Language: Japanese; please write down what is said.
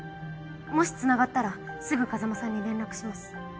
もしつながったらすぐ風真さんに連絡します。